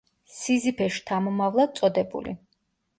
სიზიფეს შთამომავლად წოდებული.